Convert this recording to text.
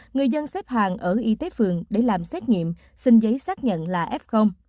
người dân xếp hàng ở y tế phường để làm xét nghiệm xin giấy xác nhận là f